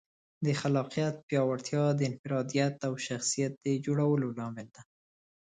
د خلاقیت پیاوړتیا د انفرادیت او شخصیت د جوړولو لامل ده.